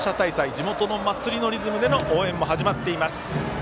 地元の祭りのリズムでの応援も始まっています。